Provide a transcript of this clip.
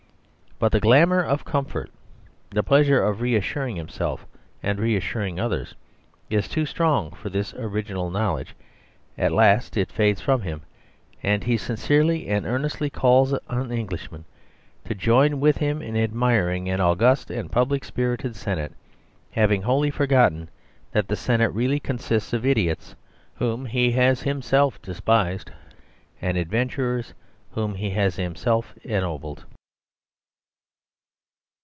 But the glamour of comfort, the pleasure of reassuring himself and reassuring others, is too strong for this original knowledge; at last it fades from him, and he sincerely and earnestly calls on Englishmen to join with him in admiring an august and public spirited Senate, having wholly forgotten that the Senate really consists of idiots whom he has himself despised; and adventurers whom he has himself ennobled.